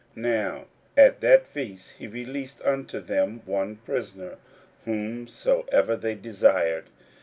41:015:006 Now at that feast he released unto them one prisoner, whomsoever they desired.